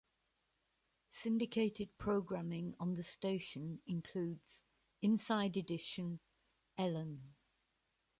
Syndicated programming on the station includes: "Inside Edition", "Ellen".